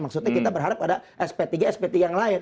maksudnya kita berharap ada sp tiga sp tiga yang lain